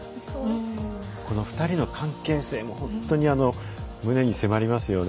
２人の関係性も本当に胸に迫りますよね。